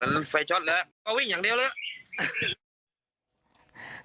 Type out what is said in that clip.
มันไฟช็อตแล้วก็วิ่งอย่างเดียวแล้ว